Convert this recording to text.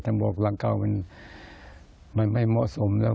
บอกหลังเก่ามันไม่เหมาะสมแล้ว